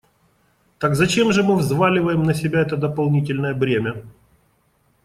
Так зачем же мы взваливаем на себя это дополнительное бремя?